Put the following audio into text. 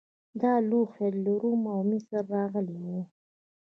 دا لوښي له روم او مصر راغلي وو